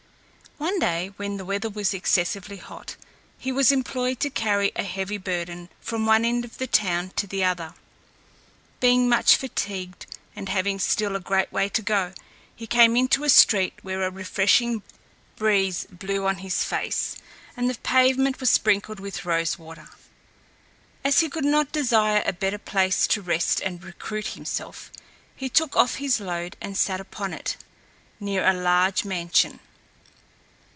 One day, when the weather was excessively hot, he was employed to carry a heavy burden from one end of the town to the other. Being much fatigued, and having still a great way to go, he came into a street where a refreshing breeze blew on his face, and the pavement was sprinkled with rose water. As he could not desire a better place to rest and recruit himself, he took off his load and sat upon it, near a large mansion.